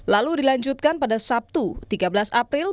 lalu dilanjutkan pada sabtu tiga belas april